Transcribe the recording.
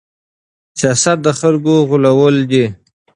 سياست د خلکو غولول دي.